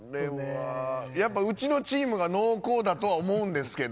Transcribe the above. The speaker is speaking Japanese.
うちのチームが濃厚だとは思うんですけど。